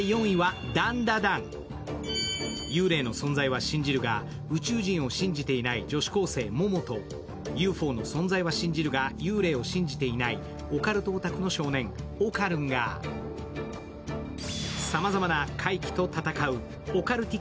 幽霊の存在は信じるが宇宙人を信じていない女子高生・モモとＵＦＯの存在は信じるが、幽霊を信じていないオカルトオタクの少年、オカルンが「ヴィセ」